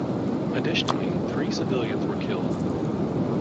Additionally, three civilians were killed.